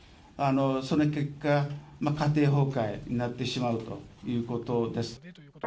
その結果、家庭崩壊になってしまうということです。